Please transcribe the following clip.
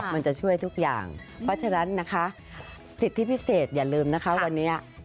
มันจะช่วยทุกอย่างเพราะฉะนั้นนะคะสิทธิพิเศษอย่าลืมนะคะวันนี้